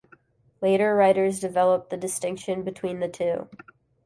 Later writers developed the distinction between the two.